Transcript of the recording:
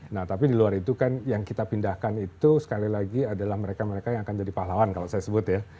nah tapi di luar itu kan yang kita pindahkan itu sekali lagi adalah mereka mereka yang akan jadi pahlawan kalau saya sebut ya